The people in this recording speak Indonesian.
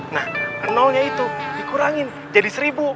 nah nolnya itu dikurangin jadi seribu